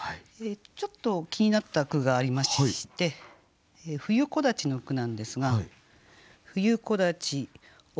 ちょっと気になった句がありまして「冬木立」の句なんですが。